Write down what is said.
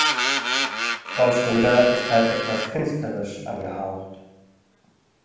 Frau Schröder ist halt etwas künstlerisch angehaucht.